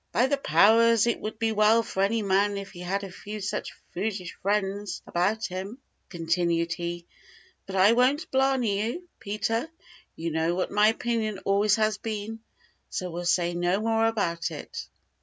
"By the powers, it would be well for any man if he had a few of such foolish friends about him," continued he; "but I won't blarney you, Peter; you know what my opinion always has been, so we'll say no more about it."